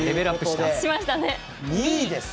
２位です。